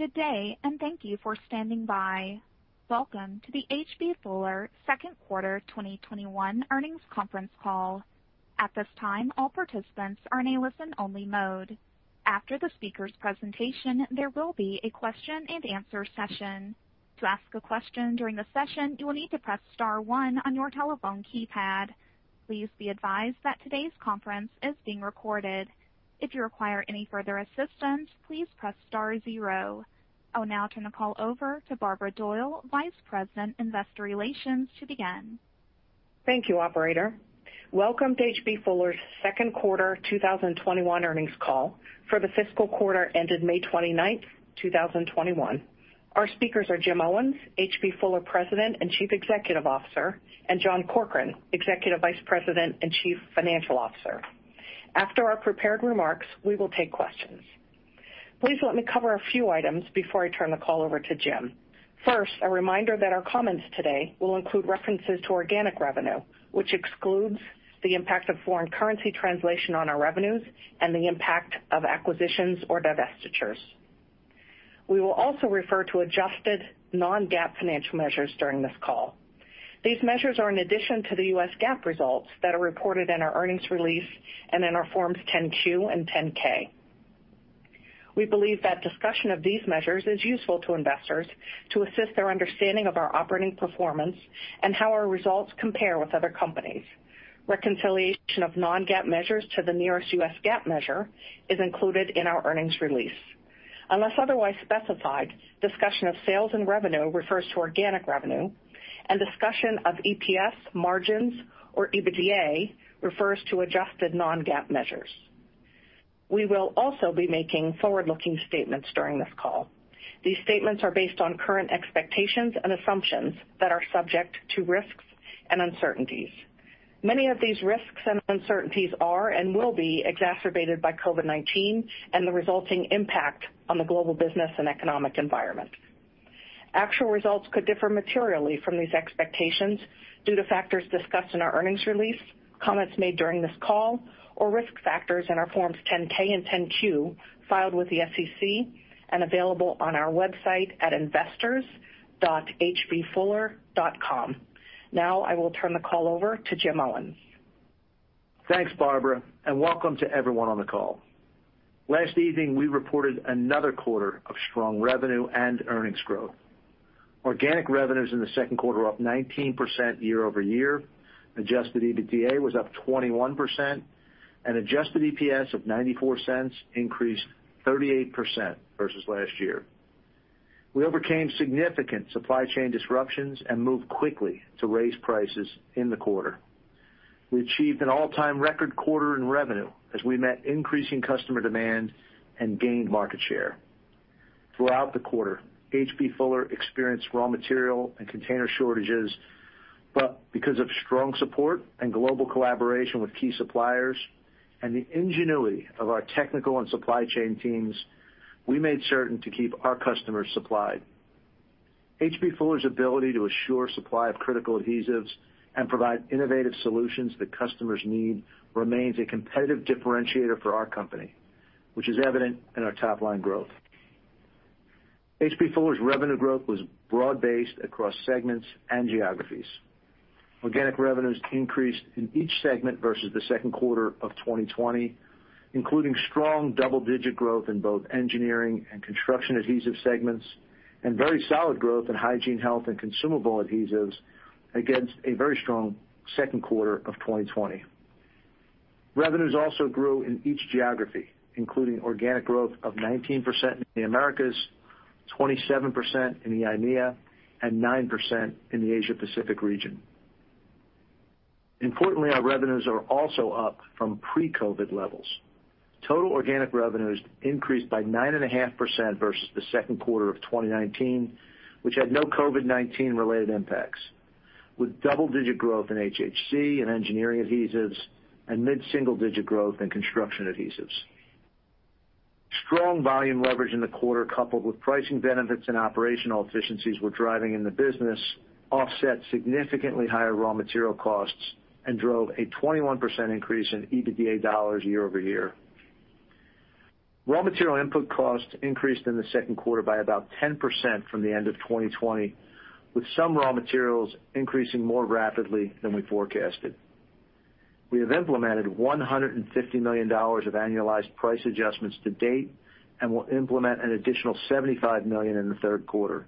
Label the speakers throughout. Speaker 1: Good day. Thank you for standing by. Welcome to the H.B. Fuller Second Quarter 2021 Earnings Conference Call. At this time, all participants are in a listen only mode. After the speaker's presentation, there will be a question and answer session. To ask a question during the session, you will need to press star one on your telephone keypad. Please be advised that today's conference is being recorded. If you require any further assistance, please press star zero. I'll now turn the call over to Barbara Doyle, Vice President, Investor Relations, to begin.
Speaker 2: Thank you, operator. Welcome to H.B. Fuller's 2nd quarter 2021 earnings call for the fiscal quarter ending May 29th, 2021. Our speakers are Jim Owens, H.B. Fuller President and Chief Executive Officer, and John Corkrean, Executive Vice President and Chief Financial Officer. After our prepared remarks, we will take questions. Please let me cover a few items before I turn the call over to Jim. First, a reminder that our comments today will include references to organic revenue, which excludes the impact of foreign currency translation on our revenues and the impact of acquisitions or divestitures. We will also refer to adjusted non-GAAP financial measures during this call. These measures are in addition to the U.S. GAAP results that are reported in our earnings release and in our forms 10-Q and 10-K. We believe that discussion of these measures is useful to investors to assist their understanding of our operating performance and how our results compare with other companies. Reconciliation of non-GAAP measures to the nearest U.S. GAAP measure is included in our earnings release. Unless otherwise specified, discussion of sales and revenue refers to organic revenue, and discussion of EPS, margins or EBITDA refers to adjusted non-GAAP measures. We will also be making forward-looking statements during this call. These statements are based on current expectations and assumptions that are subject to risks and uncertainties. Many of these risks and uncertainties are and will be exacerbated by COVID-19 and the resulting impact on the global business and economic environment. Actual results could differ materially from these expectations due to factors discussed in our earnings release, comments made during this call, or risk factors in our forms 10-K and 10-Q filed with the SEC and available on our website at investors.hbfuller.com. Now, I will turn the call over to Jim Owens.
Speaker 3: Thanks, Barbara, and welcome to everyone on the call. Last evening, we reported another quarter of strong revenue and earnings growth. Organic revenues in the second quarter were up 19% year-over-year. Adjusted EBITDA was up 21%, and adjusted EPS of $0.94 increased 38% versus last year. We overcame significant supply chain disruptions and moved quickly to raise prices in the quarter. We achieved an all-time record quarter in revenue as we met increasing customer demand and gained market share. Throughout the quarter, H.B. Fuller experienced raw material and container shortages, but because of strong support and global collaboration with key suppliers and the ingenuity of our technical and supply chain teams, we made certain to keep our customers supplied. H.B. Fuller's ability to assure supply of critical adhesives and provide innovative solutions that customers need remains a competitive differentiator for our company, which is evident in our top-line growth. H.B. Fuller's revenue growth was broad-based across segments and geographies. Organic revenues increased in each segment versus the second quarter of 2020, including strong double-digit growth in both Engineering and Construction Adhesives segments, and very solid growth in Hygiene, Health, and Consumable Adhesives against a very strong second quarter of 2020. Revenues also grew in each geography, including organic growth of 19% in the Americas, 27% in the EIMEA, and 9% in the Asia Pacific region. Importantly, our revenues are also up from pre-COVID-19 levels. Total organic revenues increased by 9.5% versus the second quarter of 2019, which had no COVID-19 related impacts, with double-digit growth in HHC and Engineering Adhesives and mid-single digit growth in Construction Adhesives. Strong volume leverage in the quarter, coupled with pricing benefits and operational efficiencies we're driving in the business, offset significantly higher raw material costs and drove a 21% increase in EBITDA dollars year-over-year. Raw material input costs increased in the second quarter by about 10% from the end of 2020, with some raw materials increasing more rapidly than we forecasted. We have implemented $150 million of annualized price adjustments to date and will implement an additional $75 million in the third quarter.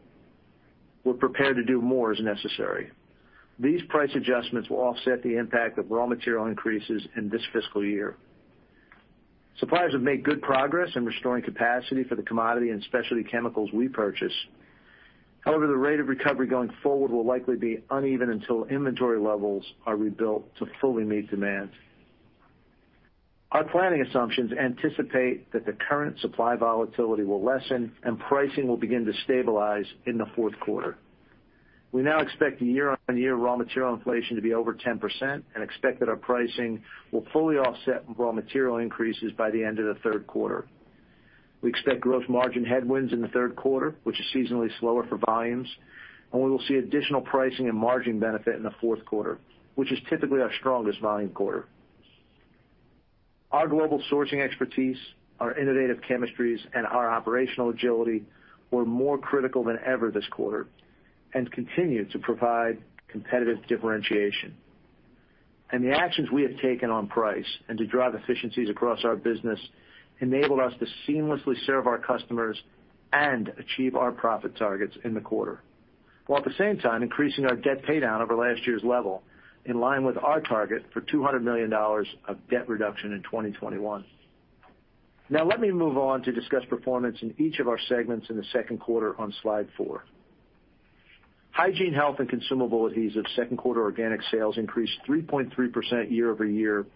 Speaker 3: We're prepared to do more as necessary. These price adjustments will offset the impact of raw material increases in this fiscal year. Suppliers have made good progress in restoring capacity for the commodity and specialty chemicals we purchase. However, the rate of recovery going forward will likely be uneven until inventory levels are rebuilt to fully meet demand. Our planning assumptions anticipate that the current supply volatility will lessen and pricing will begin to stabilize in the fourth quarter. We now expect year and year raw material inflation to be over 10% and expect that our pricing will fully offset raw material increases by the end of the third quarter. We expect gross margin headwinds in the third quarter, which is seasonally slower for volumes, and we will see additional pricing and margin benefit in the fourth quarter, which is typically our strongest volume quarter. Our global sourcing expertise, our innovative chemistries, and our operational agility were more critical than ever this quarter and continue to provide competitive differentiation. The actions we have taken on price and to drive efficiencies across our business enabled us to seamlessly serve our customers and achieve our profit targets in the quarter, while at the same time increasing our debt pay down over last year's level, in line with our target for $200 million of debt reduction in 2021. Now let me move on to discuss performance in each of our segments in the second quarter on slide four. Hygiene, Health, and Consumable Adhesives second quarter organic sales increased 3.3% year-over-year,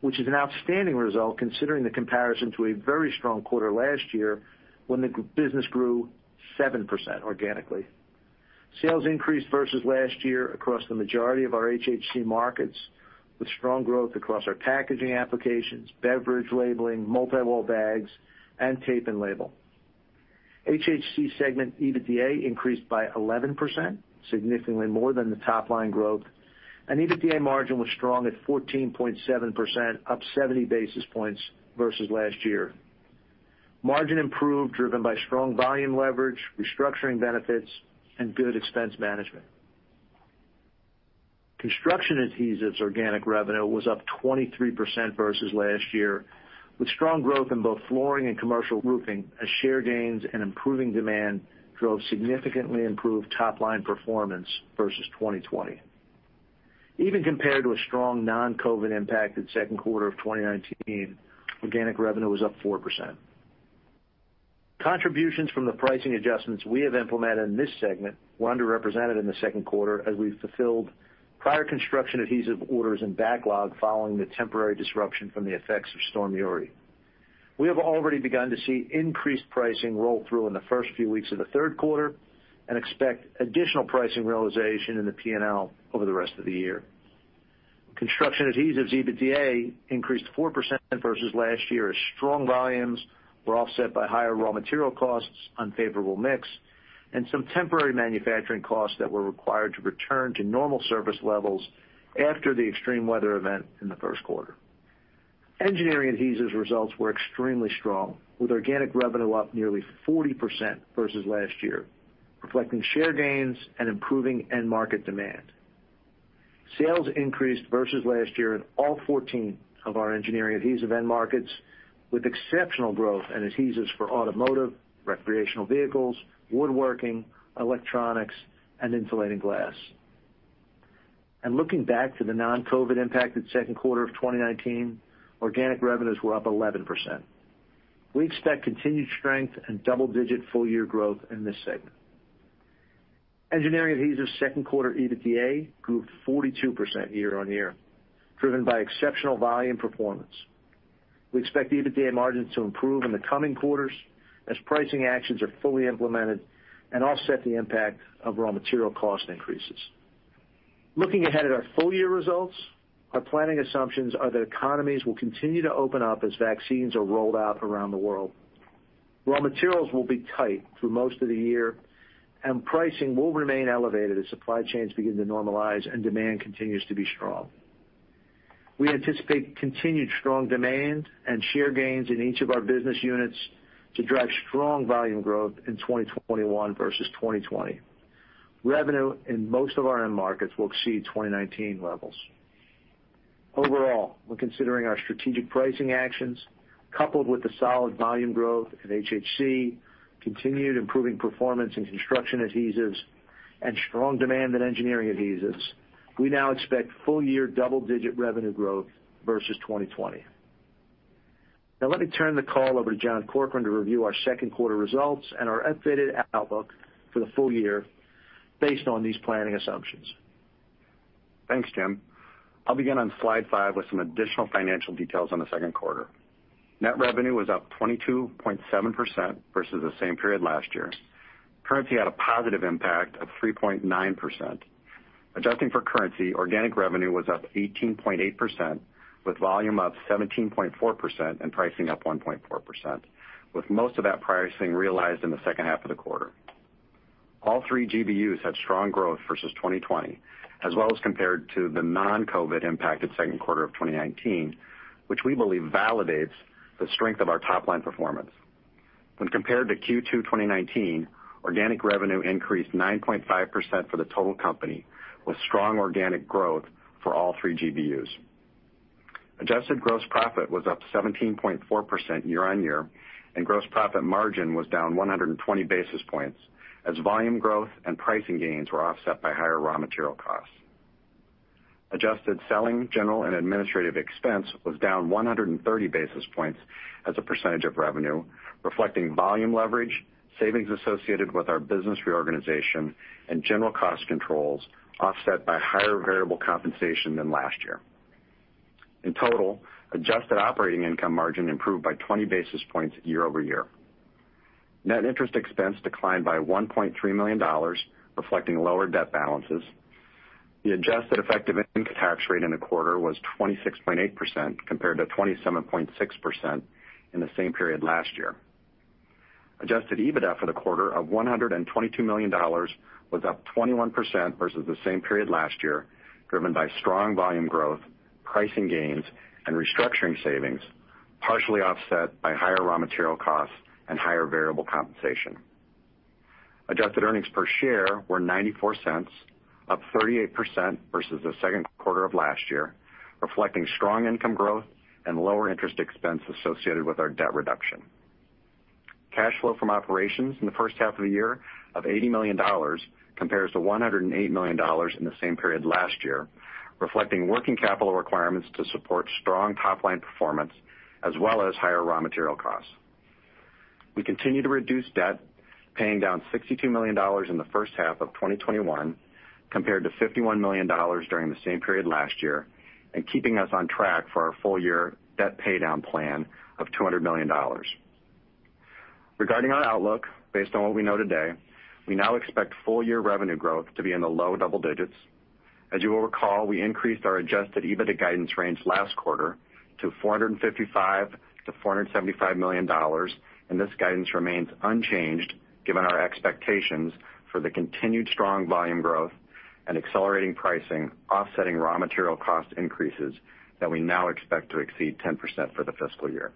Speaker 3: which is an outstanding result considering the comparison to a very strong quarter last year when the business grew 7% organically. Sales increased versus last year across the majority of our HHC markets, with strong growth across our packaging applications, beverage labeling, multi-wall bags, and tape and label. HHC segment EBITDA increased by 11%, significantly more than the top-line growth, and EBITDA margin was strong at 14.7%, up 70 basis points versus last year. Margin improved, driven by strong volume leverage, restructuring benefits, and good expense management. Construction Adhesives organic revenue was up 23% versus last year, with strong growth in both flooring and commercial roofing as share gains and improving demand drove significantly improved top-line performance versus 2020. Even compared to a strong non-COVID impacted second quarter of 2019, organic revenue was up 4%. Contributions from the pricing adjustments we have implemented in this segment were underrepresented in the second quarter as we fulfilled prior Construction Adhesive orders in backlog following the temporary disruption from the effects of Storm Uri. We have already begun to see increased pricing roll through in the first few weeks of the third quarter and expect additional pricing realization in the P&L over the rest of the year. Construction Adhesives EBITDA increased 4% versus last year as strong volumes were offset by higher raw material costs, unfavorable mix, and some temporary manufacturing costs that were required to return to normal service levels after the extreme weather event in the first quarter. Engineering Adhesives results were extremely strong, with organic revenue up nearly 40% versus last year, reflecting share gains and improving end market demand. Sales increased versus last year in all 14 of our Engineering Adhesives end markets, with exceptional growth in adhesives for automotive, recreational vehicles, woodworking, electronics, and insulated glass. Looking back to the non-COVID impacted second quarter of 2019, organic revenues were up 11%. We expect continued strength and double-digit full-year growth in this segment. Engineering Adhesives second quarter EBITDA grew 42% year-on-year, driven by exceptional volume performance. We expect EBITDA margins to improve in the coming quarters as pricing actions are fully implemented and offset the impact of raw material cost increases. Looking ahead at our full year results, our planning assumptions are that economies will continue to open up as vaccines are rolled out around the world. Raw materials will be tight through most of the year, and pricing will remain elevated as supply chains begin to normalize and demand continues to be strong. We anticipate continued strong demand and share gains in each of our business units to drive strong volume growth in 2021 versus 2020. Revenue in most of our end markets will exceed 2019 levels. Overall, when considering our strategic pricing actions, coupled with the solid volume growth in HHC, continued improving performance in Construction Adhesives, and strong demand in Engineering Adhesives, we now expect full year double-digit revenue growth versus 2020. Let me turn the call over to John Corkrean to review our second quarter results and our updated outlook for the full year based on these planning assumptions.
Speaker 4: Thanks, Jim. I'll begin on slide five with some additional financial details on the second quarter. Net revenue was up 22.7% versus the same period last year. Currency had a positive impact of 3.9%. Adjusting for currency, organic revenue was up 18.8%, with volume up 17.4% and pricing up 1.4%, with most of that pricing realized in the second half of the quarter. All three GBUs had strong growth versus 2020, as well as compared to the non-COVID impacted second quarter of 2019, which we believe validates the strength of our top-line performance. When compared to Q2 2019, organic revenue increased 9.5% for the total company, with strong organic growth for all three GBUs. Adjusted gross profit was up 17.4% year-over-year, and gross profit margin was down 120 basis points as volume growth and pricing gains were offset by higher raw material costs. Adjusted selling, general, and administrative expense was down 130 basis points as a percentage of revenue, reflecting volume leverage, savings associated with our business reorganization, and general cost controls offset by higher variable compensation than last year. In total, adjusted operating income margin improved by 20 basis points year-over-year. Net interest expense declined by $1.3 million, reflecting lower debt balances. The adjusted effective income tax rate in the quarter was 26.8%, compared to 27.6% in the same period last year. Adjusted EBITDA for the quarter of $122 million was up 21% versus the same period last year, driven by strong volume growth, pricing gains, and restructuring savings, partially offset by higher raw material costs and higher variable compensation. Adjusted earnings per share were $0.94, up 38% versus the second quarter of last year, reflecting strong income growth and lower interest expense associated with our debt reduction. Cash flow from operations in the first half of the year of $80 million compares to $108 million in the same period last year, reflecting working capital requirements to support strong top line performance as well as higher raw material costs. We continue to reduce debt, paying down $62 million in the first half of 2021, compared to $51 million during the same period last year and keeping us on track for our full year debt paydown plan of $200 million. Regarding our outlook, based on what we know today, we now expect full year revenue growth to be in the low double digits. As you'll recall, we increased our adjusted EBITDA guidance range last quarter to $455 million-$475 million, this guidance remains unchanged given our expectations for the continued strong volume growth and accelerating pricing offsetting raw material cost increases that we now expect to exceed 10% for the fiscal year.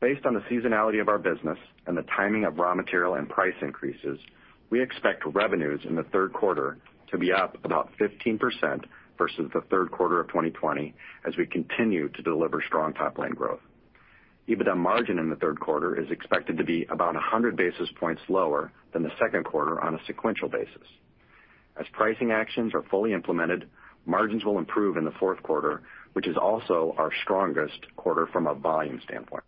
Speaker 4: Based on the seasonality of our business and the timing of raw material and price increases, we expect revenues in the third quarter to be up about 15% versus the third quarter of 2020 as we continue to deliver strong top line growth. EBITDA margin in the third quarter is expected to be about 100 basis points lower than the second quarter on a sequential basis. As pricing actions are fully implemented, margins will improve in the fourth quarter, which is also our strongest quarter from a volume standpoint.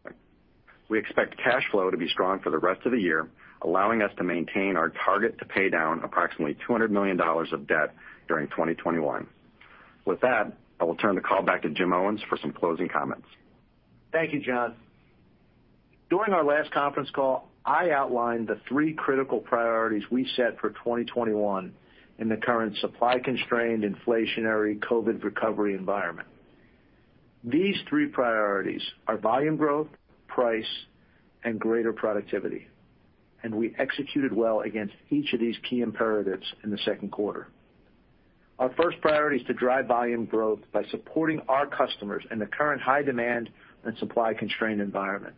Speaker 4: We expect cash flow to be strong for the rest of the year, allowing us to maintain our target to pay down approximately $200 million of debt during 2021. With that, I will turn the call back to Jim Owens for some closing comments.
Speaker 3: Thank you, John. During our last conference call, I outlined the three critical priorities we set for 2021 in the current supply-constrained, inflationary COVID recovery environment. These three priorities are volume growth, price, and greater productivity, and we executed well against each of these key imperatives in the second quarter. Our first priority is to drive volume growth by supporting our customers in the current high demand and supply-constrained environment.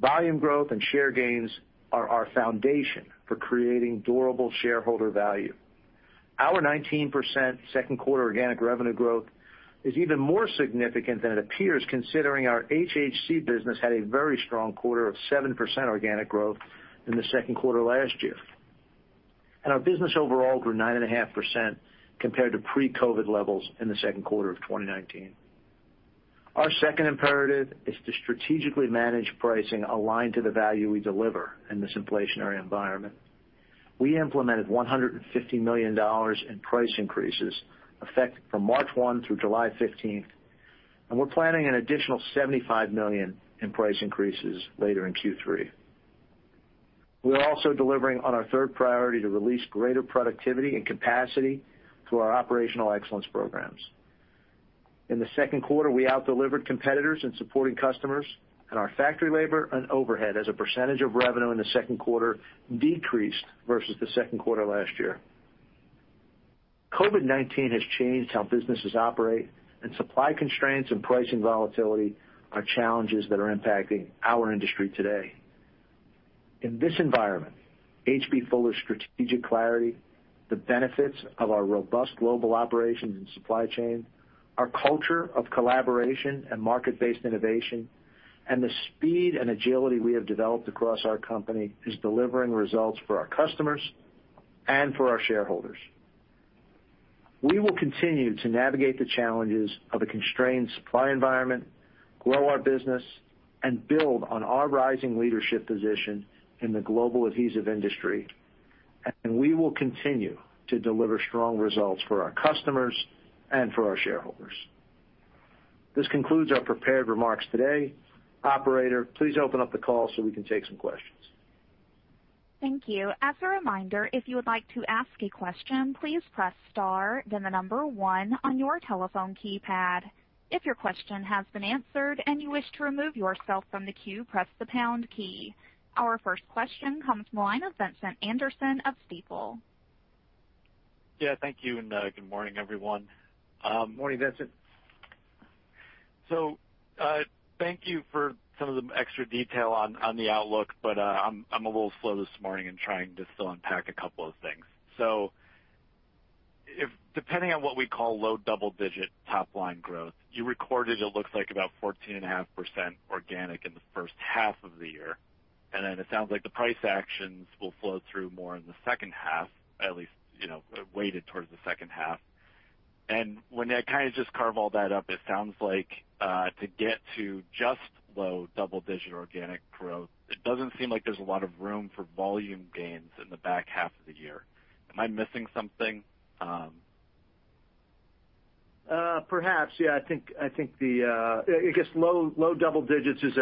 Speaker 3: Volume growth and share gains are our foundation for creating durable shareholder value. Our 19% second quarter organic revenue growth is even more significant than it appears, considering our HHC business had a very strong quarter of 7% organic growth in the second quarter last year. Our business overall grew 9.5% compared to pre-COVID levels in the second quarter of 2019. Our second imperative is to strategically manage pricing aligned to the value we deliver in this inflationary environment. We implemented $150 million in price increases, effective from March 1 through July 15th. We're planning an additional $75 million in price increases later in Q3. We're also delivering on our third priority to release greater productivity and capacity through our operational excellence programs. In the second quarter, we out-delivered competitors in supporting customers. Our factory labor and overhead as a percentage of revenue in the second quarter decreased versus the second quarter last year. COVID-19 has changed how businesses operate. Supply constraints and pricing volatility are challenges that are impacting our industry today. In this environment, H.B. Fuller's strategic clarity, the benefits of our robust global operations and supply chain, our culture of collaboration and market-based innovation, the speed and agility we have developed across our company is delivering results for our customers and for our shareholders. We will continue to navigate the challenges of a constrained supply environment, grow our business, and build on our rising leadership position in the global adhesive industry. We will continue to deliver strong results for our customers and for our shareholders. This concludes our prepared remarks today. Operator, please open up the call so we can take some questions.
Speaker 1: Thank you. As a reminder, if you would like to ask a question, please press star, then the number one on your telephone keypad. If your question has been answered and you wish to remove yourself from the queue, press the star key. Our first question comes from the line of Vincent Anderson of Stifel.
Speaker 5: Yeah, thank you, good morning, everyone.
Speaker 3: Morning, Vincent.
Speaker 5: Thank you for some of the extra detail on the outlook, but I'm a little slow this morning in trying to still unpack a couple of things. Depending on what we call low double-digit top line growth, you recorded it looks like about 14.5% organic in the first half of the year, and then it sounds like the price actions will flow through more in the second half, at least weighted towards the second half. When I kind of just carve all that up, it sounds like to get to just low double-digit organic growth, it doesn't seem like there's a lot of room for volume gains in the back half of the year. Am I missing something?
Speaker 3: Perhaps. I think low double digits is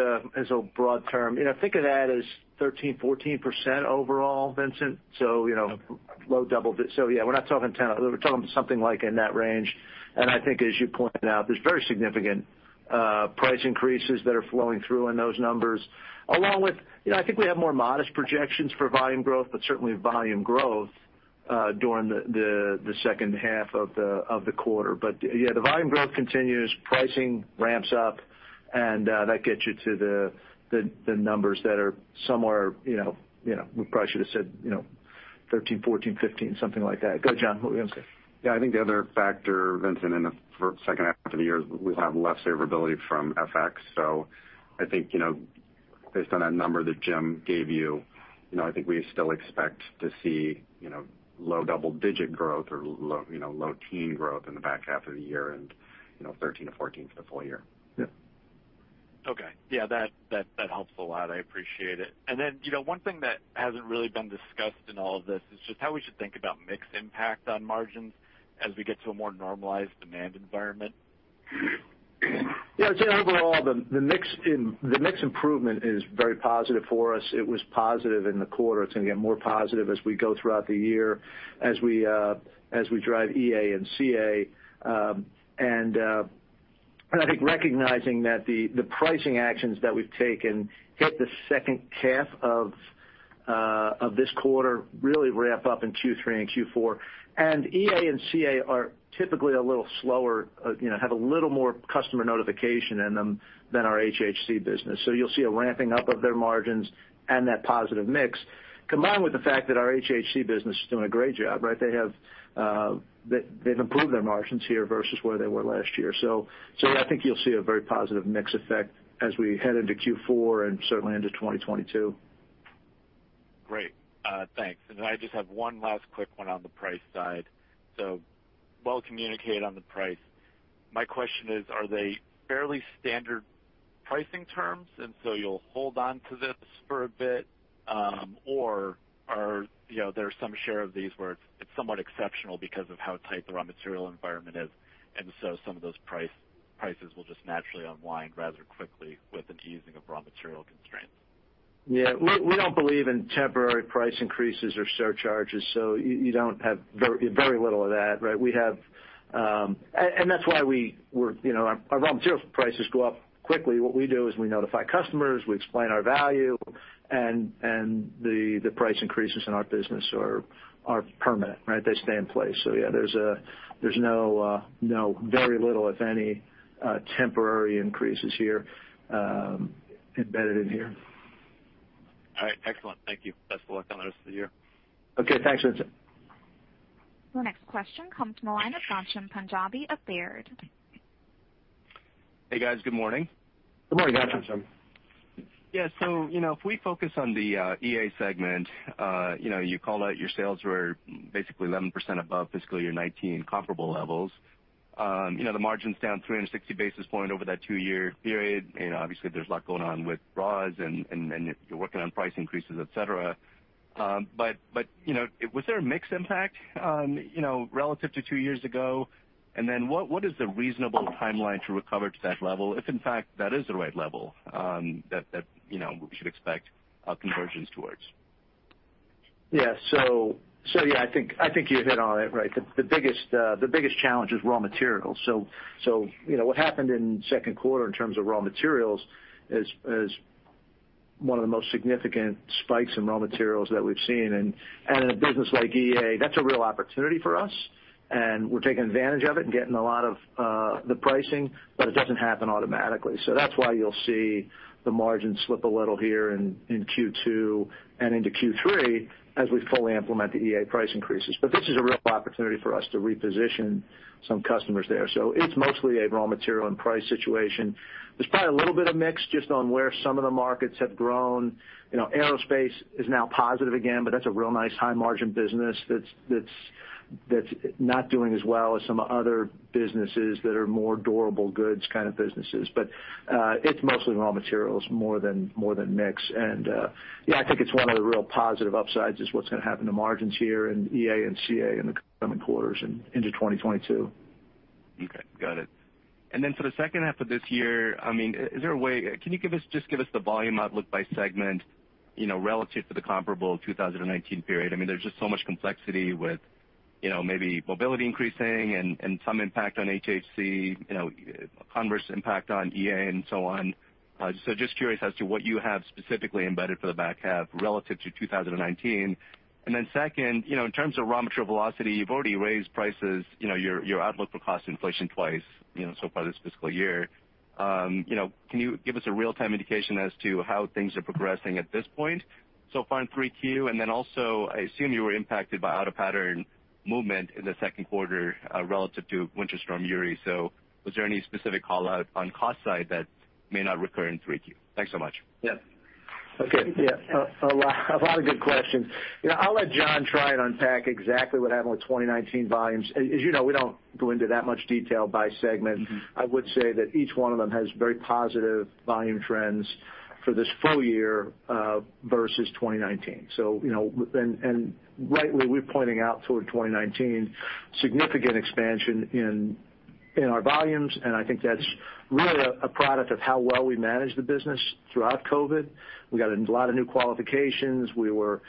Speaker 3: a broad term. Think of that as 13%-14% overall, Vincent. Low double digits. Yeah, we're talking something like in that range, and I think as you pointed out, there's very significant price increases that are flowing through in those numbers. Along with, I think we have more modest projections for volume growth, but certainly volume growth during the second half of the quarter. Yeah, the volume growth continues, pricing ramps up, and that gets you to the numbers that are somewhere, we probably should have said, 13, 14, 15, something like that. Go, John. What do you want to say?
Speaker 4: I think the other factor, Vincent, in the second half of the year is we have less favorability from FX. I think, based on that number that Jim gave you, I think we still expect to see low double-digit growth or low teen growth in the back half of the year and 13%-14% for the full year.
Speaker 3: Yeah.
Speaker 5: Okay. Yeah, that helpful a lot. I appreciate it. One thing that hasn't really been discussed in all of this is just how we should think about mix impact on margins as we get to a more normalized demand environment.
Speaker 3: Yeah. Overall, the mix improvement is very positive for us. It was positive in the quarter. It's going to get more positive as we go throughout the year, as we drive EA and CA. I think recognizing that the pricing actions that we've taken hit the second half of this quarter really ramp up in Q3 and Q4. EA and CA are typically a little slower, have a little more customer notification in them than our HHC business. You'll see a ramping up of their margins and that positive mix combined with the fact that our HHC business is doing a great job, right? They've improved their margins here versus where they were last year. Yeah, I think you'll see a very positive mix effect as we head into Q4 and certainly into 2022.
Speaker 5: Great. Thanks. I just have one last quick one on the price side. Well communicated on the price. My question is, are they fairly standard pricing terms, and so you'll hold onto this for a bit? There's some share of these where it's somewhat exceptional because of how tight the raw material environment is, and so some of those prices will just naturally unwind rather quickly with the easing of raw material constraints?
Speaker 3: Yeah. We don't believe in temporary price increases or surcharges. You don't have very little of that, right? That's why our raw material prices go up quickly. What we do is we notify customers, we explain our value, and the price increases in our business are permanent, right? They stay in place. Yeah, there's very little, if any, temporary increases here embedded in here.
Speaker 5: All right. Excellent. Thank you. That's all I have for you.
Speaker 3: Okay. Thanks, Vincent.
Speaker 1: The next question comes from Ghansham Panjabi at Baird.
Speaker 6: Hey, guys, good morning.
Speaker 3: Good morning, Ghansham.
Speaker 6: If we focus on the EA segment, you called out your sales were basically 11% above fiscal year 2019 comparable levels. The margin's down 360 basis points over that two-year period. Obviously there's a lot going on with raws and you're working on price increases, et cetera. Was there a mix impact relative to two years ago? What is the reasonable timeline to recover to that level, if in fact that is the right level that we should expect a convergence towards?
Speaker 3: Yeah. Yeah, I think you hit on it, right? The biggest challenge is raw materials. What happened in the second quarter in terms of raw materials is one of the most significant spikes in raw materials that we've seen. And in a business like EA, that's a real opportunity for us, and we're taking advantage of it and getting a lot of the pricing, but it doesn't happen automatically. That's why you'll see the margin slip a little here in Q2 and into Q3 as we fully implement the EA price increases. But this is a real opportunity for us to reposition some customers there. It's mostly a raw material and price situation. There's probably a little bit of mix just on where some of the markets have grown. Aerospace is now positive again, but that's a real nice high margin business that's not doing as well as some other businesses that are more durable goods kind of businesses. It's mostly raw materials more than mix. Yeah, I think it's one of the real positive upsides is what's going to happen to margins here in EA and CA in the coming quarters and into 2022.
Speaker 6: Okay. Got it. For the second half of this year, can you just give us the volume outlook by segment relative to the comparable 2019 period? There's just so much complexity with maybe mobility increasing and some impact on HHC, converse impact on EA and so on. Just curious as to what you have specifically embedded for the back half relative to 2019. Second, in terms of raw material velocity, you've already raised prices your outlook for cost inflation twice so far this fiscal year. Can you give us a real time indication as to how things are progressing at this point so far in 3Q? I assume you were impacted by out of pattern movement in the second quarter relative to Winter Storm Uri. Was there any specific call out on cost side that may not recur in 3Q? Thanks so much.
Speaker 3: A lot of good questions. I'll let John try and unpack exactly what happened with 2019 volumes. As you know, we don't go into that much detail by segment. I would say that each one of them has very positive volume trends for this full year versus 2019. Rightly, we're pointing out toward 2019 significant expansion in our volumes, and I think that's really a product of how well we managed the business throughout COVID. We got into a lot of new qualifications. We were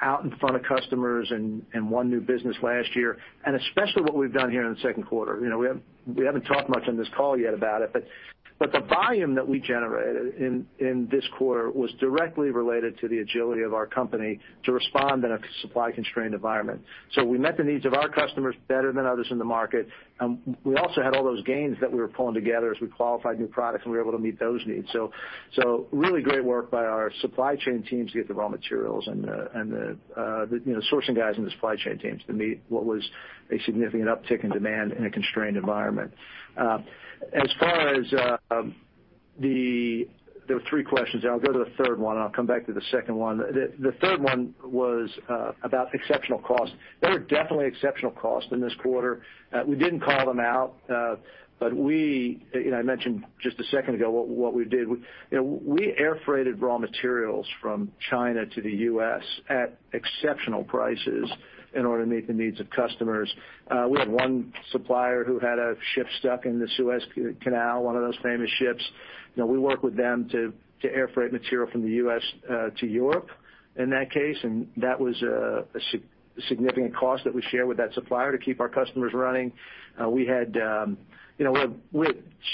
Speaker 3: out in front of customers and won new business last year, and especially what we've done here in the second quarter. We haven't talked much on this call yet about it, but the volume that we generated in this quarter was directly related to the agility of our company to respond in a supply-constrained environment. We met the needs of our customers better than others in the market. We also had all those gains that we were pulling together as we qualified new products, and we were able to meet those needs. Really great work by our supply chain teams to get the raw materials and the sourcing guys and the supply chain teams to meet what was a significant uptick in demand in a constrained environment. There were three questions. I'll go to the third one. I'll come back to the second one. The third one was about exceptional costs. There were definitely exceptional costs in this quarter. We didn't call them out. I mentioned just a second ago what we did. We air freighted raw materials from China to the U.S. at exceptional prices in order to meet the needs of customers. We had one supplier who had a ship stuck in the Suez Canal, one of those famous ships. We worked with them to air freight material from the U.S. to Europe in that case. That was a significant cost that we shared with that supplier to keep our customers running. We had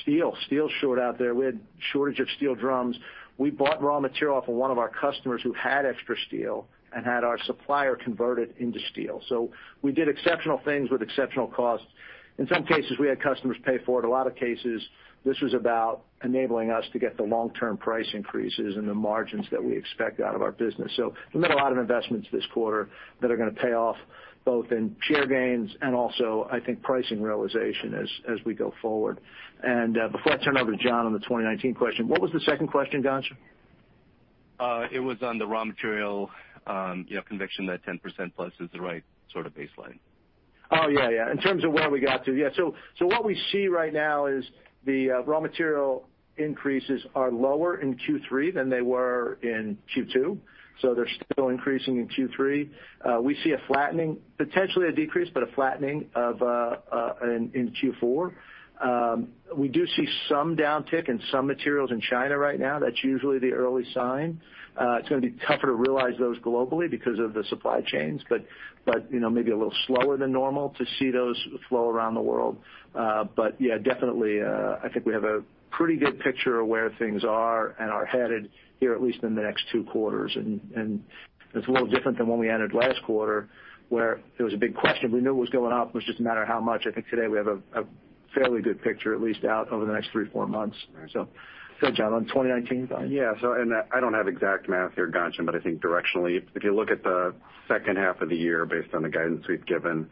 Speaker 3: steel. Steel short out there. We had a shortage of steel drums. We bought raw material from one of our customers who had extra steel and had our supplier convert it into steel. We did exceptional things with exceptional costs. In some cases, we had customers pay for it. A lot of cases, this was about enabling us to get the long-term price increases and the margins that we expect out of our business. We made a lot of investments this quarter that are going to pay off both in share gains and also, I think, pricing realization as we go forward. Before I turn over to John on the 2019 question, what was the second question, Ghansham?
Speaker 6: It was on the raw material conviction that 10%+ is the right sort of baseline.
Speaker 3: Oh, yeah. In terms of where we got to. Yeah. What we see right now is the raw material increases are lower in Q3 than they were in Q2, so they're still increasing in Q3. We see potentially a decrease, but a flattening in Q4. We do see some downtick in some materials in China right now. That's usually the early sign. It's going to be tougher to realize those globally because of the supply chains, but maybe a little slower than normal to see those flow around the world. Yeah, definitely, I think we have a pretty good picture of where things are and are headed here at least in the next two quarters. It's a little different than when we ended last quarter, where there was a big question. We knew it was going up. It was just a matter of how much. I think today we have a fairly good picture, at least out over the next three, four months. John, on the 2019 side?
Speaker 4: Yeah. I don't have exact math here, Ghansham, but I think directionally, if you look at the second half of the year, based on the guidance we've given,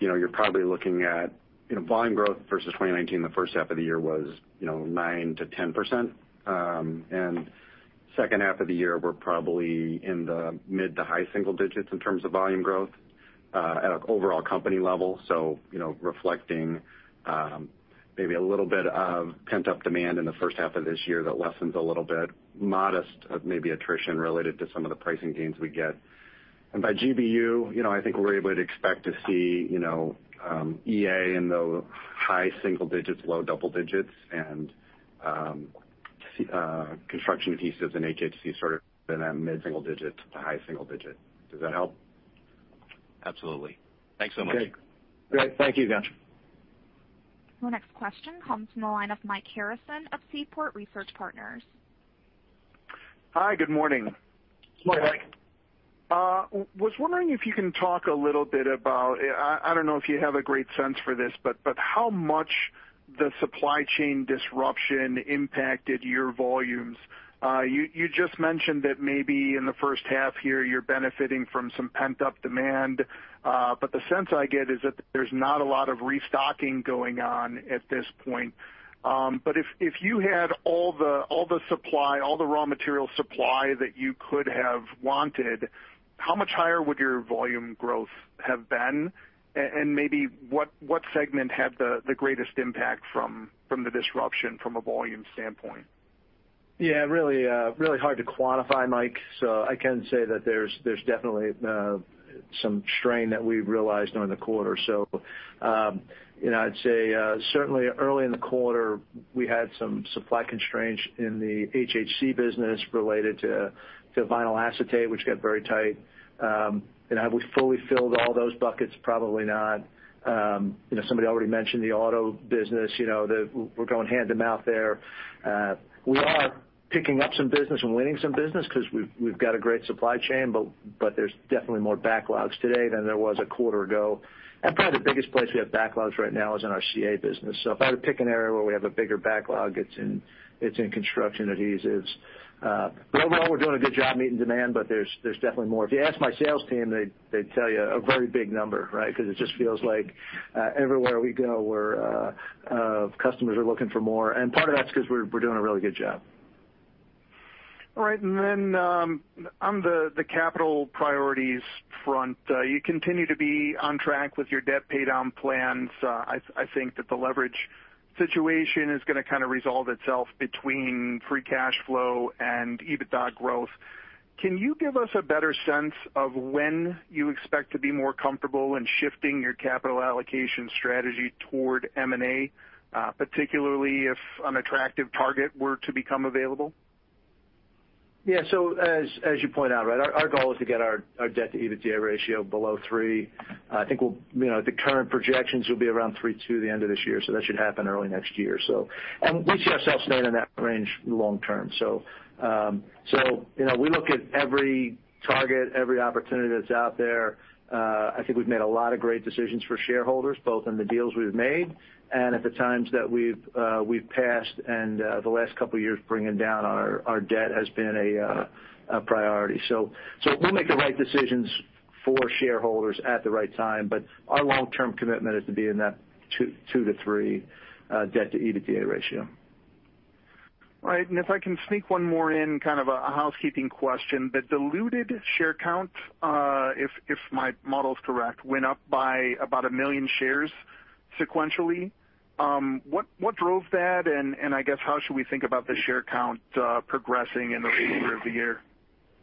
Speaker 4: you're probably looking at volume growth versus 2019. The first half of the year was 9%-10%, second half of the year, we're probably in the mid-to-high single digits in terms of volume growth at an overall company level. Reflecting maybe a little bit of pent-up demand in the first half of this year that lessens a little bit. Modest, maybe attrition related to some of the pricing gains we get. By GBU, I think we're able to expect to see EA in the high single digits, low double digits, Construction Adhesives and HHC sort of in that mid-single digits to high-single digit. Does that help?
Speaker 6: Absolutely. Thanks so much.
Speaker 3: Great. Thank you, Ghansham.
Speaker 1: The next question comes from the line of Mike Harrison of Seaport Research Partners.
Speaker 7: Hi, good morning.
Speaker 3: Good morning.
Speaker 7: Was wondering if you can talk a little bit about, I don't know if you have a great sense for this, but how much the supply chain disruption impacted your volumes? You just mentioned that maybe in the first half here you're benefiting from some pent-up demand. The sense I get is that there's not a lot of restocking going on at this point. If you had all the supply, all the raw material supply that you could have wanted, how much higher would your volume growth have been? Maybe what segment had the greatest impact from the disruption from a volume standpoint?
Speaker 3: Yeah, really hard to quantify, Mike. I can say that there's definitely some strain that we realized during the quarter. I'd say certainly early in the quarter, we had some supply constraints in the HHC business related to vinyl acetate, which got very tight. Have we fully filled all those buckets? Probably not. Somebody already mentioned the auto business. We're going hand-in-hand out there. We are picking up some business and winning some business because we've got a great supply chain, but there's definitely more backlogs today than there was a quarter ago. Probably the biggest place we have backlogs right now is in our CA business. If I had to pick an area where we have a bigger backlog, it's in Construction Adhesives. Overall, we're doing a good job meeting demand, but there's definitely more. If you ask my sales team, they tell you a very big number, right? It just feels like everywhere we go, customers are looking for more, and part of that's because we're doing a really good job.
Speaker 7: All right. Then on the capital priorities front, you continue to be on track with your debt paydown plans. I think that the leverage situation is going to kind of resolve itself between free cash flow and EBITDA growth. Can you give us a better sense of when you expect to be more comfortable in shifting your capital allocation strategy toward M&A, particularly if an attractive target were to become available?
Speaker 3: Yeah. As you point out, our goal is to get our debt-to-EBITDA ratio below three. I think the current projections will be around three to the end of this year. That should happen early next year. We see ourselves staying in that range long term. We look at every target, every opportunity that's out there. I think we've made a lot of great decisions for shareholders, both in the deals we've made and at the times that we've passed, and the last couple of years, bringing down our debt has been a priority. We make the right decisions for shareholders at the right time, but our long-term commitment is to be in that two-three debt-to-EBITDA ratio.
Speaker 7: Right. If I can sneak one more in, kind of a housekeeping question. The diluted share count, if my model is correct, went up by about 1 million shares sequentially. What drove that, and I guess how should we think about the share count progressing in the remainder of the year?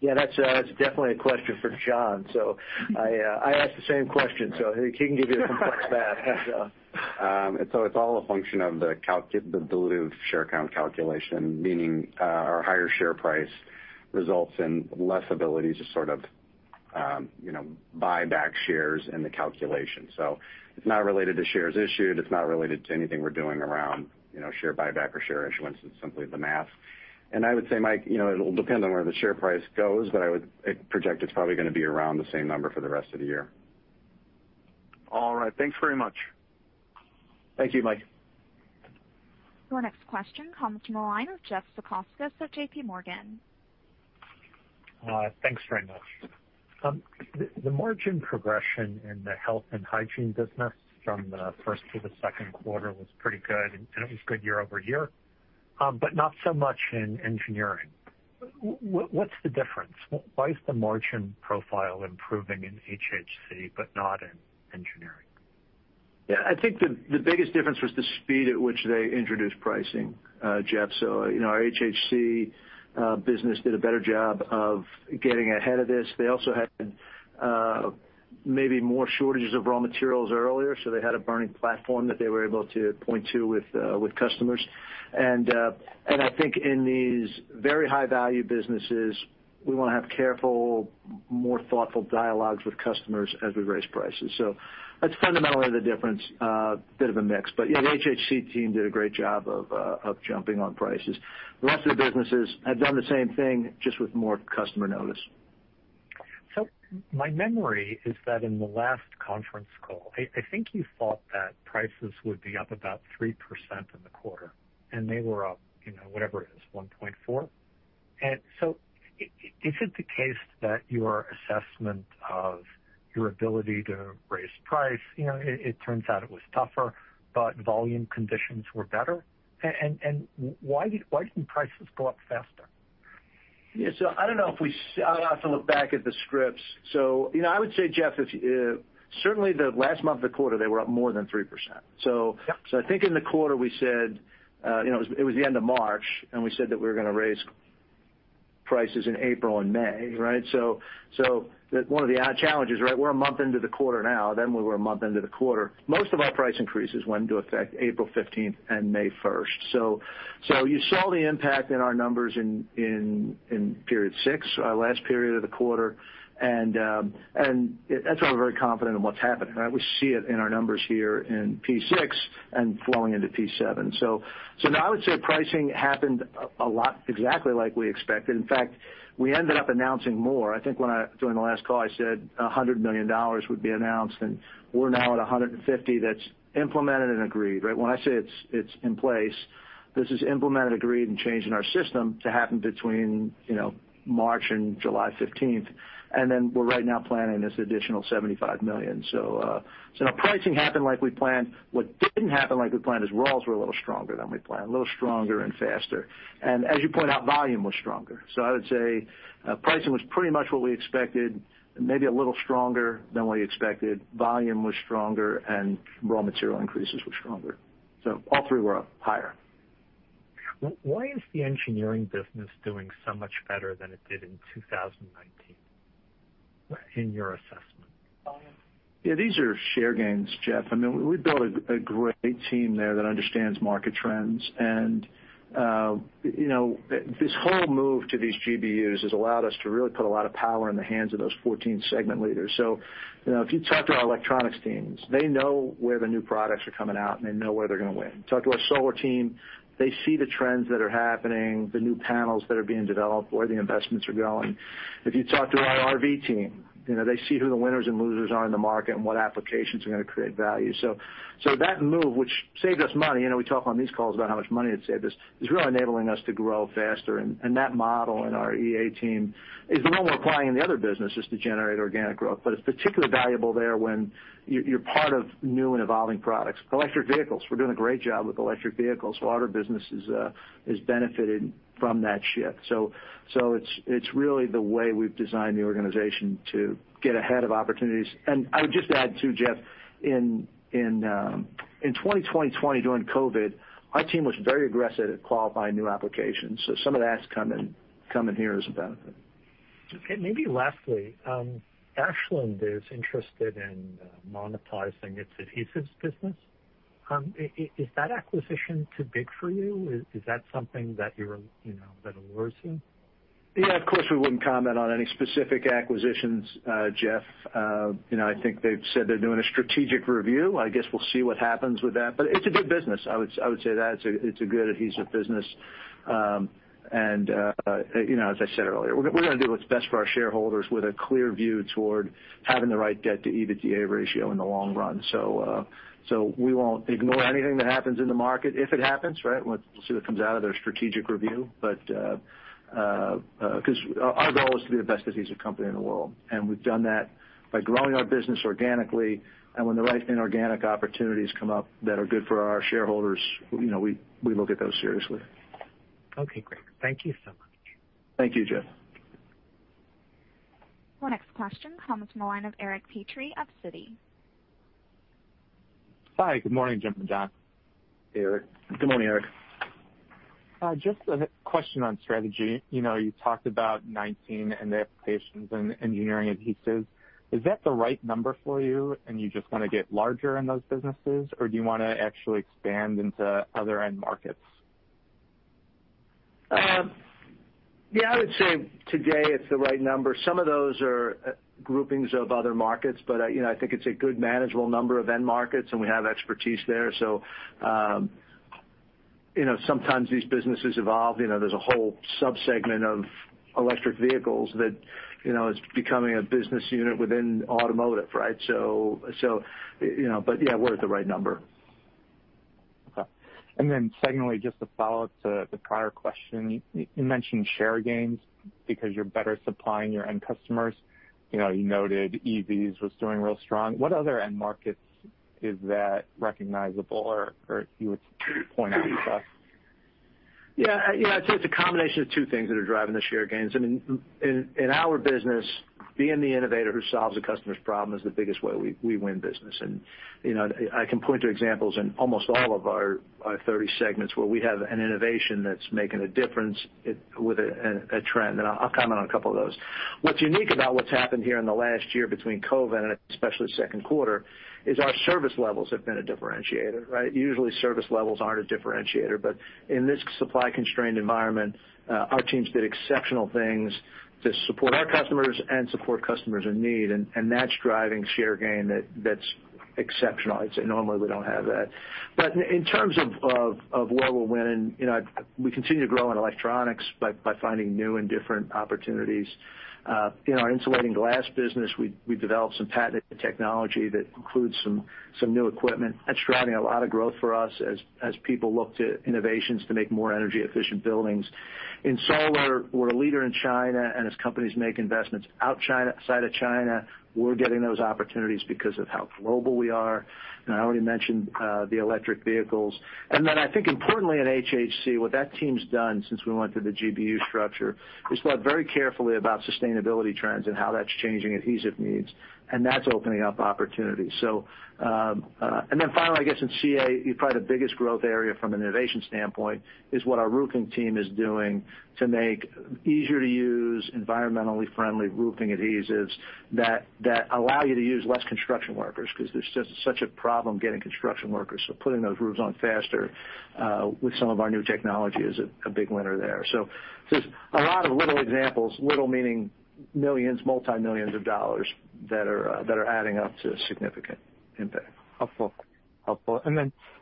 Speaker 3: Yeah, that's definitely a question for John. I asked the same question, so he can give you the best of that.
Speaker 4: It's all a function of the diluted share count calculation, meaning our higher share price results in less ability to buy back shares in the calculation. It's not related to shares issued. It's not related to anything we're doing around share buyback or share issuance. It's simply the math. I would say, Mike, it'll depend on where the share price goes, but I would project it's probably going to be around the same number for the rest of the year.
Speaker 7: All right. Thanks very much.
Speaker 3: Thank you, Mike.
Speaker 1: Your next question comes from the line of Jeff Zekauskas of JPMorgan.
Speaker 8: Thanks very much. The margin progression in the Hygiene, Health, and Consumable Adhesives business from the first to the second quarter was pretty good, and it was good year-over-year, but not so much in Engineering. What's the difference? Why is the margin profile improving in HHC but not in Engineering?
Speaker 3: Yeah, I think the biggest difference was the speed at which they introduced pricing, Jeff. HHC business did a better job of getting ahead of this. They also had maybe more shortage of raw materials earlier, so they had a burning platform that they were able to point to with customers. I think in these very high-value businesses, we want to have careful, more thoughtful dialogues with customers as we raise prices. That's fundamentally the difference. Bit of a mix. Yeah, HHC team did a great job of jumping on prices. The rest of the businesses have done the same thing, just with more customer notice.
Speaker 8: My memory is that in the last conference call, I think you thought that prices would be up about 3% in the quarter, and they were up, whatever it is, 1.4%. Is it the case that your assessment of your ability to raise price, it turns out it was tougher, but volume conditions were better? Why didn't prices go up faster?
Speaker 3: Yeah. I don't know. I'll have to look back at the scripts. I would say, Jeff, certainly the last month of quarter, they were up more than 3%. I think in the quarter we said it was the end of March, and we said that we were going to raise prices in April and May, right? One of the challenges, right? We're a month into the quarter now. We were a month into the quarter. Most of our price increases went into effect April 15th and May 1st. You saw the impact in our numbers in period six, our last period of the quarter, and that's why we're very confident in what's happened. We see it in our numbers here in P6 and flowing into P7. No, I would say pricing happened a lot, exactly like we expected. In fact, we ended up announcing more. I think during the last call, I said $100 million would be announced, and we're now at $150. That's implemented and agreed. When I say it's in place, this is implemented, agreed, and changed in our system to happen between March and July 15th. we're right now planning this additional $75 million. Pricing happened like we planned. What didn't happen like we planned is raws were a little stronger than we planned, a little stronger and faster. As you point out, volume was stronger. I would say pricing was pretty much what we expected and maybe a little stronger than what we expected. Volume was stronger, and raw material increases were stronger. All three were up higher.
Speaker 8: Why is the Engineering business doing so much better than it did in 2019, in your assessment?
Speaker 3: Yeah, these are share gains, Jeff. We built a great team there that understands market trends, and this whole move to these GBUs has allowed us to really put a lot of power in the hands of those 14 segment leaders. If you talk to our electronics teams, they know where the new products are coming out, and they know where they're going to win. Talk to our solar team. They see the trends that are happening, the new panels that are being developed, where the investments are going. If you talk to our RV team, they see who the winners and losers are in the market and what applications are going to create value. That move, which saved us money, we talk on these calls about how much money it saved us, is really enabling us to grow faster. That model in our EA team is the one we're applying in the other businesses to generate organic growth. It's particularly valuable there when you're part of new and evolving products. Electric vehicles. We're doing a great job with electric vehicles. Our business is benefiting from that shift. It's really the way we've designed the organization to get ahead of opportunities. I'd just add, too, Jeff, in 2020 during COVID, our team was very aggressive at qualifying new applications. Some of that's come in here as a benefit.
Speaker 8: Okay, maybe lastly, Ashland is interested in monetizing its adhesives business. Is that acquisition too big for you? Is that something that allures you?
Speaker 3: Yeah, of course, we wouldn't comment on any specific acquisitions, Jeff. I think they've said they're doing a strategic review. I guess we'll see what happens with that. It's a good business. I would say that it's a good adhesive business. As I said earlier, we're going to do what's best for our shareholders with a clear view toward having the right debt-to-EBITDA ratio in the long run. We won't ignore anything that happens in the market if it happens, right? We'll see what comes out of their strategic review. Our goal is to be the best adhesive company in the world, and we've done that by growing our business organically. When the right inorganic opportunities come up that are good for our shareholders, we look at those seriously.
Speaker 8: Okay, great. Thank you so much.
Speaker 3: Thank you, Jeff.
Speaker 1: Our next question comes from the line of Eric Petrie of Citi.
Speaker 9: Hi, good morning, Jim and John.
Speaker 3: Good morning, Eric.
Speaker 9: Just a question on strategy. You talked about 19 end applications in Engineering Adhesives. Is that the right number for you and you just want to get larger in those businesses, or do you want to actually expand into other end markets?
Speaker 3: Yeah, I would say today it's the right number. Some of those are groupings of other markets, but I think it's a good manageable number of end markets, and we have expertise there. Sometimes these businesses evolve. There's a whole sub-segment of electric vehicles that is becoming a business unit within automotive, right? Yeah, we're at the right number.
Speaker 9: Okay. Secondly, just a follow-up to the prior question. You mentioned share gains because you're better supplying your end customers. You noted EVs was doing real strong. What other end markets is that recognizable or you would point out to us?
Speaker 3: Yeah. I'd say it's a combination of two things that are driving the share gains. In our business, being the innovator who solves the customer's problem is the biggest way we win business. I can point to examples in almost all of our 30 segments where we have an innovation that's making a difference with a trend. I'll comment on a couple of those. What's unique about what's happened here in the last year between COVID, and especially second quarter, is our service levels have been a differentiator, right? Usually, service levels aren't a differentiator, in this supply constrained environment, our teams did exceptional things to support our customers and support customers in need. That's driving share gain that's exceptional. I'd say normally we don't have that. In terms of where we're winning, we continue to grow in electronics by finding new and different opportunities. In our insulating glass business, we developed some patented technology that includes some new equipment that's driving a lot of growth for us as people look to innovations to make more energy efficient buildings. In solar, we're a leader in China, and as companies make investments outside of China, we're getting those opportunities because of how global we are. I already mentioned the electric vehicles. I think importantly in HHC, what that team's done since we went to the GBU structure is learn very carefully about sustainability trends and how that's changing adhesive needs, and that's opening up opportunities. Finally, I guess in CA, probably the biggest growth area from an innovation standpoint is what our roofing team is doing to make easier to use, environmentally friendly roofing adhesives that allow you to use less construction workers, because there's just such a problem getting construction workers. Putting those roofs on faster, with some of our new technology is a big winner there. There's a lot of little examples, little meaning millions, multi-millions of dollars that are adding up to a significant impact.
Speaker 9: Helpful.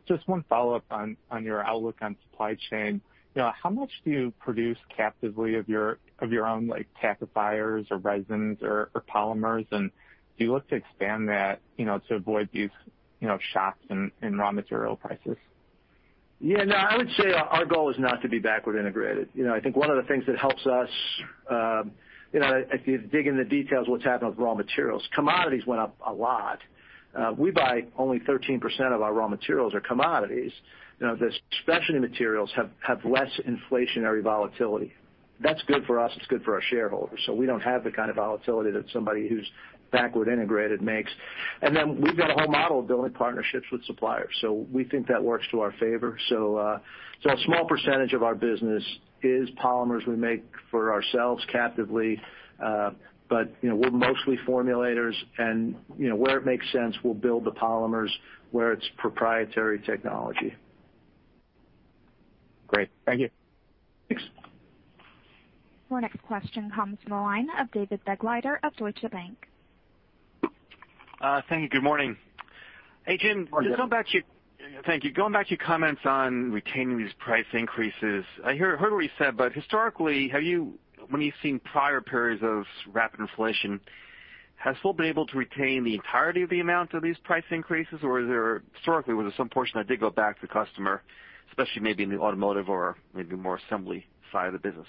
Speaker 9: Just one follow-up on your outlook on supply chain. How much do you produce captively of your own tackifiers or resins or polymers, and do you look to expand that to avoid these shocks in raw material prices?
Speaker 3: Yeah, no, I would say our goal is not to be backward integrated. I think one of the things that helps us, if you dig in the details what's happened with raw materials, commodities went up a lot. We buy only 13% of our raw materials are commodities. The specialty materials have less inflationary volatility. That's good for us. It's good for our shareholders. We don't have the kind of volatility that somebody who's backward integrated makes. We've got a whole model of building partnerships with suppliers. We think that works to our favor. A small percentage of our business is polymers we make for ourselves captively. We're mostly formulators, and where it makes sense, we'll build the polymers where it's proprietary technology.
Speaker 9: Great. Thank you.
Speaker 3: Thanks.
Speaker 1: Our next question comes from the line of David Begleiter of Deutsche Bank.
Speaker 10: Thank you. Good morning.
Speaker 3: Morning.
Speaker 10: Thank you. Going back to your comments on retaining these price increases. I heard what you said, but historically, when you've seen prior periods of rapid inflation, have you still been able to retain the entirety of the amount of these price increases, or historically, was there some portion that did go back to the customer, especially maybe in the automotive or maybe more assembly side of the business?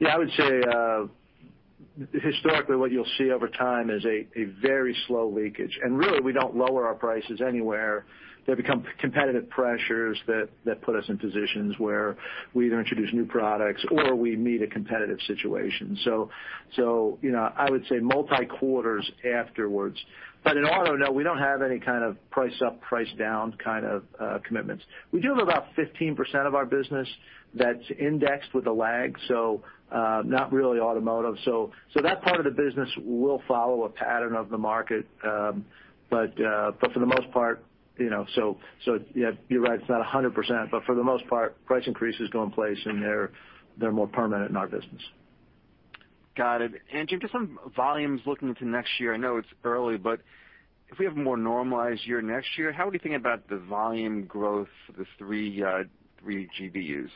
Speaker 3: Yeah, I would say, historically, what you'll see over time is a very slow leakage. Really, we don't lower our prices anywhere. There become competitive pressures that put us in positions where we either introduce new products or we meet a competitive situation. I would say multi quarters afterwards. In auto, no, we don't have any kind of price up, price down kind of commitments. We do have about 15% of our business that's indexed with a lag, so not really automotive. That part of the business will follow a pattern of the market. You're right, it's not 100%, but for the most part, price increases go in place, and they're more permanent in our business.
Speaker 10: Got it. Just on volumes looking to next year, I know it's early, but if we have a more normalized year next year, how do we think about the volume growth for the three GBUs?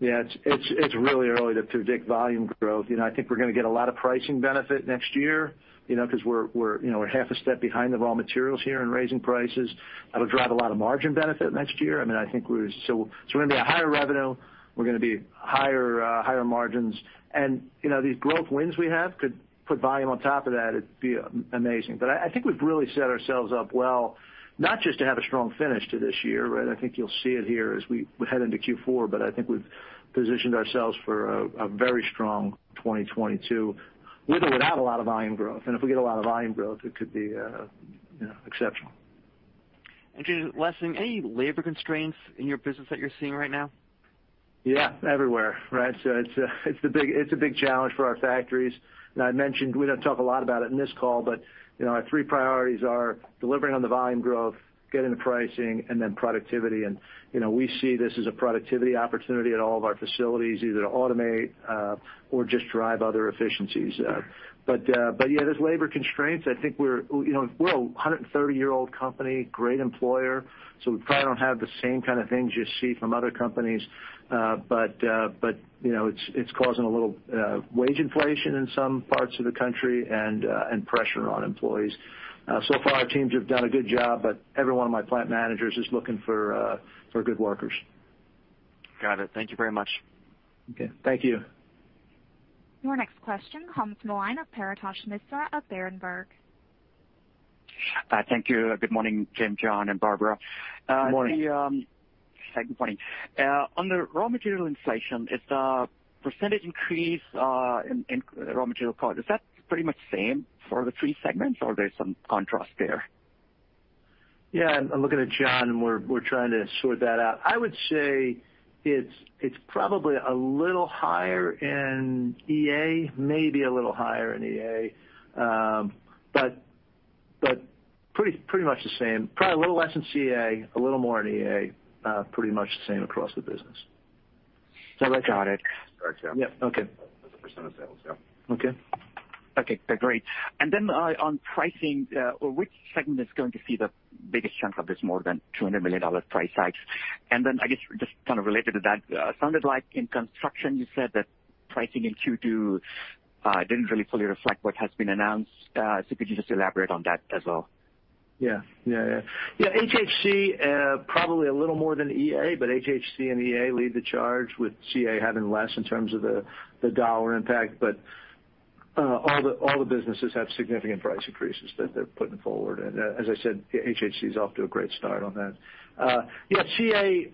Speaker 3: Yeah. It's really early to predict volume growth. I think we're going to get a lot of pricing benefit next year, because we're half a step behind of raw materials here in raising prices. That'll drive a lot of margin benefit next year. We're going to be at higher revenue, we're going to be higher margins, and these growth wins we have could put volume on top of that. It'd be amazing. I think we've really set ourselves up well, not just to have a strong finish to this year, but I think you'll see it here as we head into Q4, but I think we've positioned ourselves for a very strong 2022. We could have a lot of volume growth. If we get a lot of volume growth, it could be exceptional.
Speaker 10: Just last thing, any labor constraints in your business that you're seeing right now?
Speaker 3: Yeah. Everywhere, right? It's a big challenge for our factories. I mentioned, we don't talk a lot about it in this call, but our three priorities are delivering on the volume growth, getting the pricing, and then productivity. We see this as a productivity opportunity at all of our facilities, either to automate or just drive other efficiencies. Yeah, there's labor constraints. I think we're a 130-year-old company, great employer, so we probably don't have the same kind of things you see from other companies. It's causing a little wage inflation in some parts of the country and pressure on employees. So far our teams have done a good job, but every one of my plant managers is looking for good workers.
Speaker 10: Got it. Thank you very much.
Speaker 3: Okay. Thank you.
Speaker 1: Your next question comes from the line of Paretosh Misra of Berenberg.
Speaker 11: Thank you. Good morning, Jim, John, and Barbara.
Speaker 3: Good morning.
Speaker 11: Second point. On the raw material inflation, is the percentage increase in raw material cost, is that pretty much same for the three segments, or there's some contrast there?
Speaker 3: Yeah. Looking at John, we're trying to sort that out. I would say it's probably a little higher in EA, maybe a little higher in EA. Pretty much the same. Probably a little less in CA, a little more in EA. Pretty much the same across the business.
Speaker 11: Got it.
Speaker 3: Yeah. Okay.
Speaker 11: Okay, great. On pricing, which segment is going to see the biggest chunk of this more than $200 million price hikes? I guess just kind of related to that, sounded like in construction, you said that pricing in Q2 didn't really fully reflect what has been announced. If you could just elaborate on that as well.
Speaker 3: Yeah. HHC probably a little more than EA, but HHC and EA lead the charge with CA having less in terms of the dollar impact. All the businesses have significant price increases that they're putting forward. As I said, HHC is off to a great start on that. Yeah, CA,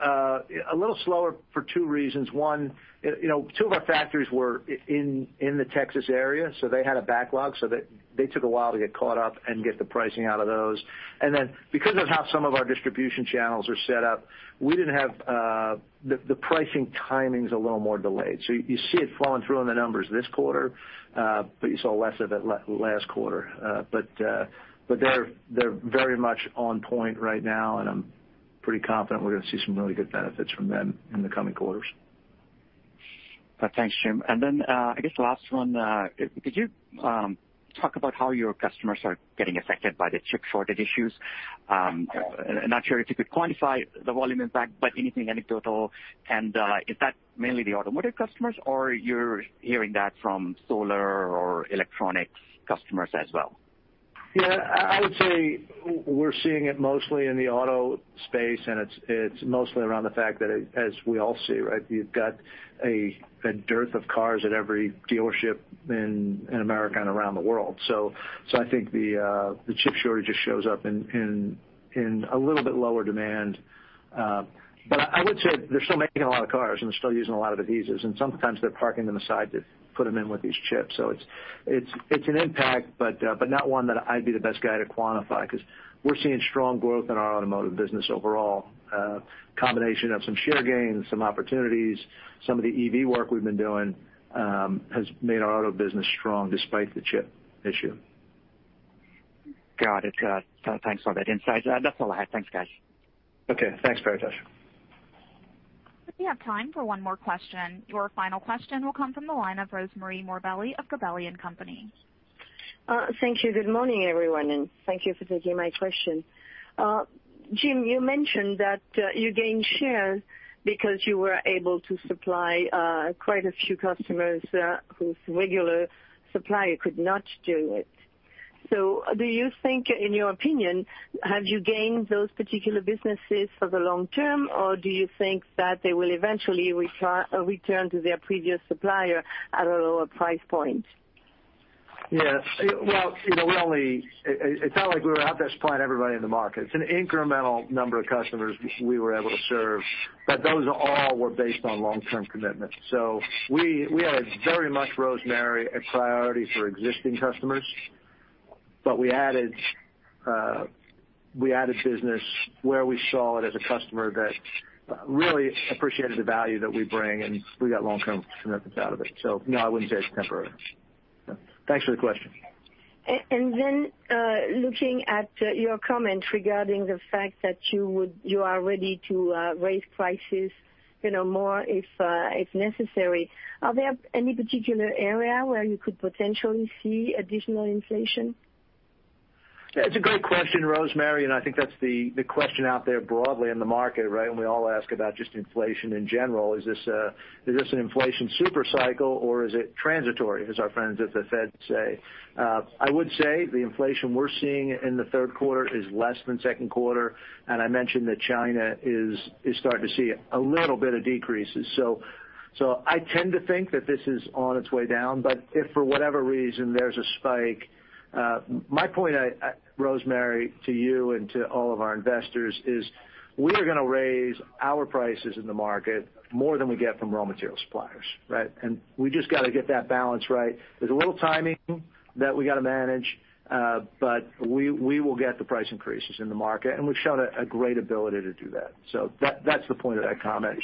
Speaker 3: a little slower for two reasons. one, two of our factories were in the Texas area, they had a backlog, they took a while to get caught up and get the pricing out of those. Because of how some of our distribution channels are set up, the pricing timing's a little more delayed. You see it flowing through in the numbers this quarter, but you saw less of it last quarter. They're very much on point right now, and I'm pretty confident we're going to see some really good benefits from them in the coming quarters.
Speaker 11: Thanks, Jim. I guess the last one, could you talk about how your customers are getting affected by the chip shortage issues? I'm not sure if you could quantify the volume impact, but anything, any total, and is that mainly the automotive customers, or you're hearing that from solar or electronics customers as well?
Speaker 3: Yeah. I would say we're seeing it mostly in the auto space, and it's mostly around the fact that, as we all see, you've got a dearth of cars at every dealership in America and around the world. I think the chip shortage just shows up in one little bit lower demand. I would say they're still making a lot of cars and still using a lot of adhesives, and sometimes they're parking them aside to put them in with these chips. It's an impact, but not one that I'd be the best guy to quantify because we're seeing strong growth in our automotive business overall. A combination of some share gains, some opportunities, some of the EV work we've been doing has made our auto business strong despite the chip issue.
Speaker 11: Got it. Thanks for that insight. That's all I have. Thanks, guys.
Speaker 3: Okay. Thanks, Paretosh.
Speaker 1: We have time for one more question. Your final question will come from the line of Rosemarie Morbelli of Gabelli & Company.
Speaker 12: Thank you. Good morning, everyone, and thank you for taking my question. Jim, you mentioned that you gained share because you were able to supply quite a few customers whose regular supplier could not do it. Do you think, in your opinion, have you gained those particular businesses for the long term, or do you think that they will eventually return to their previous supplier at a lower price point?
Speaker 3: Yeah. Well, it's not like we were out there supplying everybody in the market. It's an incremental number of customers we were able to serve, but those all were based on long-term commitments. We are very much, Rosemarie, a priority for existing customers. We added business where we saw it as a customer that really appreciated the value that we bring, and we got long-term commitments out of it. No, I wouldn't say it's temporary. Thanks for the question.
Speaker 12: Looking at your comments regarding the fact that you are ready to raise prices more if necessary, are there any particular area where you could potentially see additional inflation?
Speaker 3: That's a good question, Rosemarie. I think that's the question out there broadly in the market, right? We all ask about just inflation in general. Is this an inflation super cycle or is it transitory, as our friends at the Fed say? I would say the inflation we're seeing in the third quarter is less than second quarter. I mentioned that China is starting to see a little bit of decreases. I tend to think that this is on its way down, but if for whatever reason there's a spike, my point, Rosemarie, to you and to all of our investors is we're going to raise our prices in the market more than we get from raw material suppliers, right? We just got to get that balance right. There's a little timing that we got to manage. We will get the price increases in the market, and we've shown a great ability to do that. That's the point of that comment.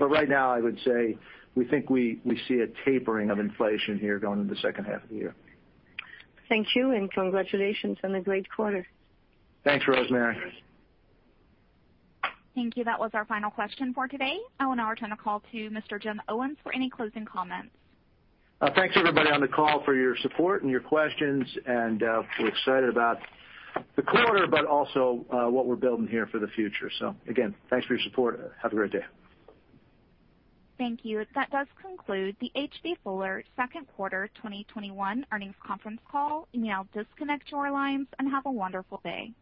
Speaker 3: Right now, I would say we think we see a tapering of inflation here going to the second half of the year.
Speaker 12: Thank you, and congratulations on a great quarter.
Speaker 3: Thanks, Rosemarie.
Speaker 1: Thank you. That was our final question for today. I will now return the call to Mr. Jim Owens for any closing comments.
Speaker 3: Thanks everybody on the call for your support and your questions. We're excited about the quarter, but also what we're building here for the future. Again, thanks for your support. Have a great day.
Speaker 1: Thank you. That does conclude the H.B. Fuller Second Quarter 2021 Earnings Conference Call. You may now disconnect your lines and have a wonderful day.